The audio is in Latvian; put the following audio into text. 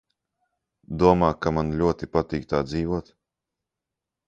Domā, ka man ļoti patīk tā dzīvot?